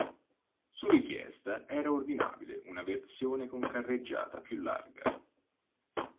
Su richiesta era ordinabile una versione con carreggiata più larga.